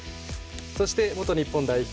そして、元日本代表